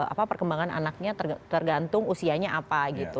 apa perkembangan anaknya tergantung usianya apa gitu